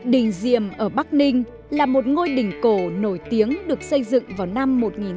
đình diệm ở bắc ninh là một ngôi đỉnh cổ nổi tiếng được xây dựng vào năm một nghìn sáu trăm chín mươi hai